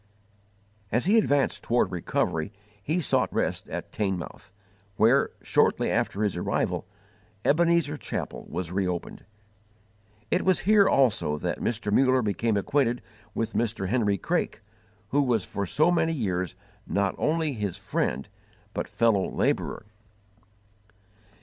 As he advanced toward recovery he sought rest at Teignmouth, where, shortly after his arrival, "Ebenezer" chapel was reopened. It was here also that Mr. Muller became acquainted with Mr. Henry Craik, who was for so many years not only his friend, but fellow labourer.